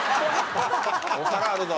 お皿あるぞ！